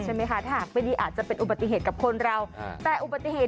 น้อนแมวเสียเชิงแมวหมด